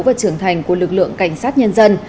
và trưởng thành của lực lượng cảnh sát nhân dân